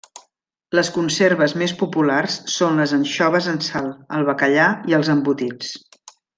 Les conserves més populars són les anxoves en sal, el bacallà i els embotits.